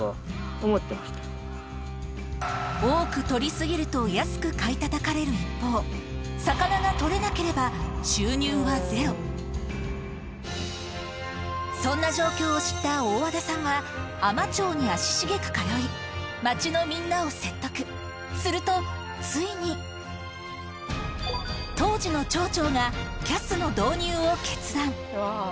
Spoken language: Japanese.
多く獲り過ぎると安く買いたたかれる一方魚が獲れなければ収入はゼロそんな状況を知った大和田さんは海士町に足しげく通い町のみんなを説得するとついに当時の町長がＣＡＳの導入を決断